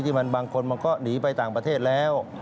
บางคนมันก็หนีไปต่างประเทศแล้ว